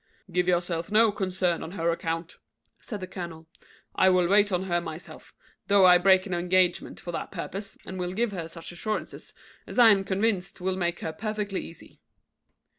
"Give yourself no concern on her account," said the colonel; "I will wait on her myself, though I break an engagement for that purpose, and will give her such assurances as I am convinced will make her perfectly easy."